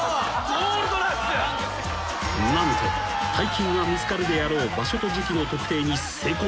［何と大金が見つかるであろう場所と時期の特定に成功？］